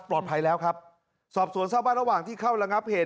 ปลอดภัยแล้วครับสอบสวนทราบว่าระหว่างที่เข้าระงับเหตุ